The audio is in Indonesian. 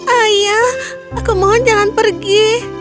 ayah aku mohon jangan pergi